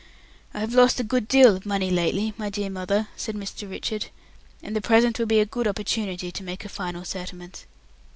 "I have lost a good deal of money lately, my dear mother," said Mr. Richard, "and the present will be a good opportunity to make a final settlement."